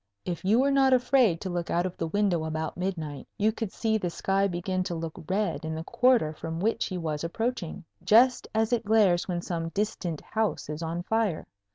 If you were not afraid to look out of the window about midnight, you could see the sky begin to look red in the quarter from which he was approaching, just as it glares when some distant house is on fire.